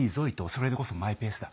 それでこそマイペースだ。